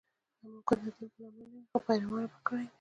یا ممکن د دین په نامه نه وي خو پیروانو به کړې وي.